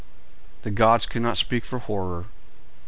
The gods could not speak for horror.